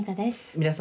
皆様